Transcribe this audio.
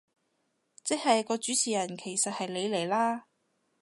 即係個主持人其實係你嚟啦